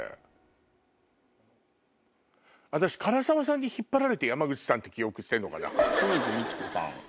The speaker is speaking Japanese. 私唐沢さんに引っ張られて山口さんって記憶してんのかな？